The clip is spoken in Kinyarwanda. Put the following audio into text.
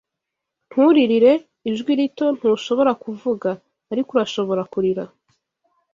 nturirire, ijwi rito, ntushobora kuvuga, ariko urashobora kurira